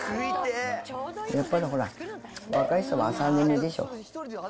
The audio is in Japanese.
やっぱりほら、若い人は朝眠いでしょ？